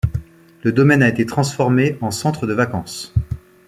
Le domaine a été transformé en centre de vacances.